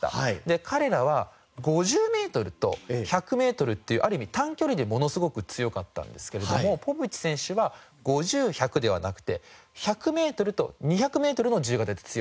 彼らは５０メートルと１００メートルっていうある意味短距離でものすごく強かったんですけれどもポポビッチ選手は５０１００ではなくて１００メートルと２００メートルの自由形で強いんです。